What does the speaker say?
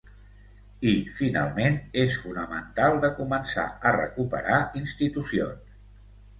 I, finalment, és fonamental de començar a recuperar institucions.